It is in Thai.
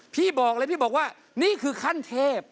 พี่บอกเลยพี่บอกว่านี่คือขั้นเทพ